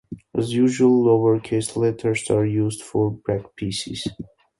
As usual, lowercase letters are used for black pieces.